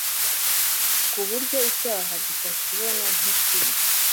ku buryo icyaha tutakibona nk’ikibi.